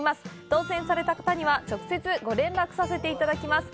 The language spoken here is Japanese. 当せんされた方には、直接ご連絡させていただきます。